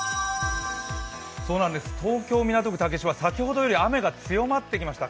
東京・港区竹芝、先ほどより雨が強まってきました。